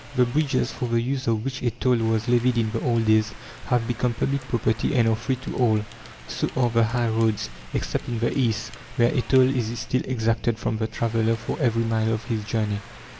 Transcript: The bridges, for the use of which a toll was levied in the old days, have become public property and are free to all; so are the high roads, except in the East, where a toll is still exacted from the traveller for every mile of his journey.